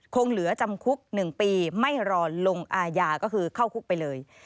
คงเหลือจำคุก๑ปีไม่รอลงอาญาก็คือเข้าคุกไปเลย